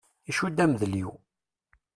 Icudd amḍelliw.